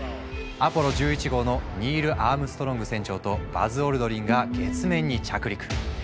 アポロ１１号のニール・アームストロング船長とバズ・オルドリンが月面に着陸。